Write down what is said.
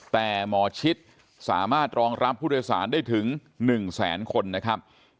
แต่หมอชิดสามารถรองรับผู้โดยสารได้ถึง๑แสนคนนะครับ